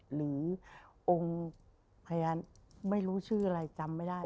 หรือองค์พยานไม่รู้ชื่ออะไรจำไม่ได้